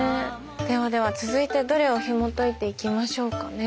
ではでは続いてどれをひもといていきましょうかね。